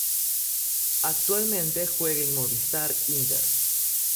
Actualmente juega en Movistar Inter.